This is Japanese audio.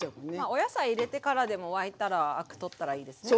お野菜入れてからでも沸いたらアク取ったらいいですね。